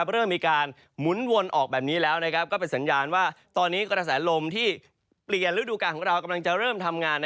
เริ่มมีการหมุนวนออกแบบนี้แล้วก็เป็นสัญญาณว่าตอนนี้กระแสลมที่เปลี่ยนฤดูการของเรากำลังจะเริ่มทำงาน